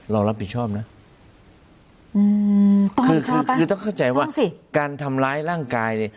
เรารับผิดชอบนะคือต้องเข้าใจว่าการทำร้ายร่างกาย